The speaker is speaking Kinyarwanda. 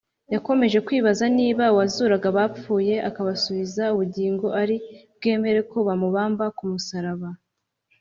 yakomeje kwibaza niba uwazuraga abapfuye akabasubiza ubugingo ari bwemere ko bamubamba ku musaraba?